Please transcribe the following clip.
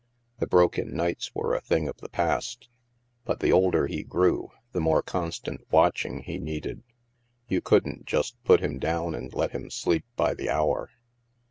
The broken nights were a thing of the past. But the older he grew, the more constant watching he needed You couldn't just put him down and let him sleep by the hour.